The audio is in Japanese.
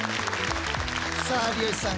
さあ有吉さん